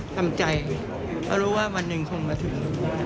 ทำใจเพราะรู้ว่าวันหนึ่งคงมาถึง